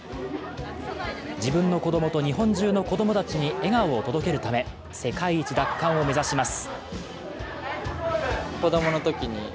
自分の子供と日本中の子供たちに笑顔を届けるため世界一奪還を目指します。